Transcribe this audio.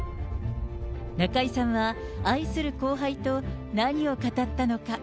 中居さんは、愛する後輩と何を語ったのか。